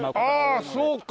ああそうか！